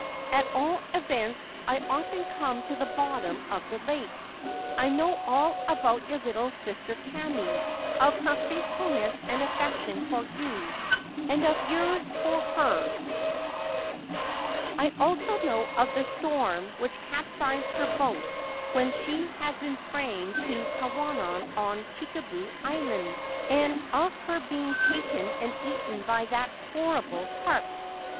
At all events, I often come to the bottom of th lake. I know all about your little sister Kame, of he faithfulness and affection for you, and of yours for her I know also of the storm which capsized her boat whe she had been praying to Kwannon on Chikubu Islanc and of her being taken and eaten by that horribl carp.